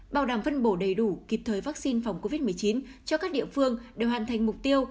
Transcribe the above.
bảo đảm phân bổ đầy đủ kịp thời vaccine phòng covid một mươi chín cho các địa phương đều hoàn thành mục tiêu